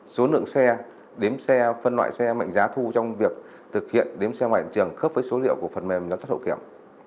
số lượng xe đếm xe phân loại xe mệnh giá thu trong việc thực hiện đếm xe ngoài trường khớp với số liệu của phần mềm giám sát hậu kiểm